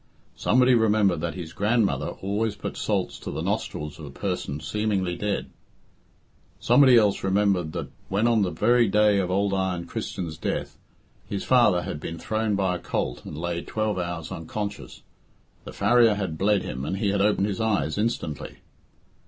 Somebody remembered that his grandmother always put salts to the nostrils of a person seemingly dead; somebody else remembered that when, on the very day of old Iron Christian's death, his father had been thrown by a colt and lay twelve hours unconscious, the farrier had bled him and he had opened his eyes instantly.